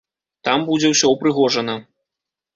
Там будзе ўсё ўпрыгожана.